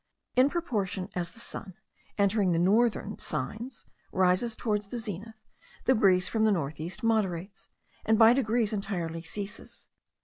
In proportion as the sun, entering the northern signs, rises towards the zenith, the breeze from the north east moderates, and by degrees entirely ceases.